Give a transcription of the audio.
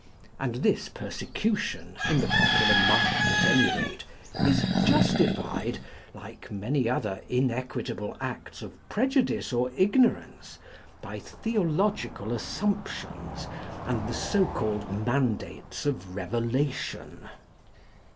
And this persecution, in the popular mind at any rate, is justified, like many other inequitable acts of prejudice or ignorance, by theological assumptions and the so called mandates of revelation.